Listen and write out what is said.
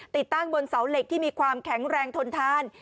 ติดตั้งบนเสาเหล็กที่มีความแข็งแรงทนทาน